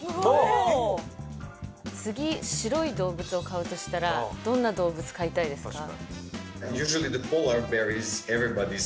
次白い動物を飼うとしたらどんな動物飼いたいですか？